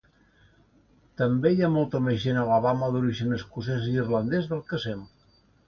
També hi ha molta més gent a Alabama d'origen escocès-irlandès del que sembla.